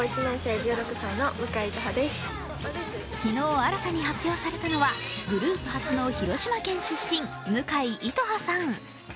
昨日新たに発表されたのはグループ初の広島県出身、向井純葉さん。